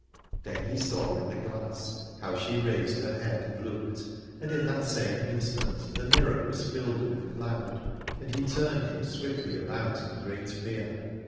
Then he saw in the glass how she raised her head, and looked : and in that same instant the mirror was filled with cloud, and he turned him swiftly about in great fear.